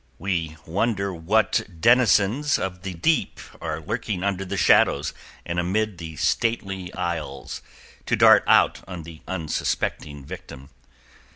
We wonder what denizens of the deep are lurking under the shadows and amid the stately aisles, to dart out on the unsuspecting victim.